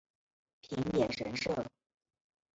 平野神社。